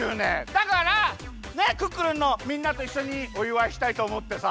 だからクックルンのみんなといっしょにおいわいしたいとおもってさ。